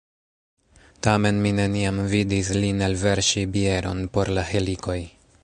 Tamen mi neniam vidis lin elverŝi bieron por la helikoj.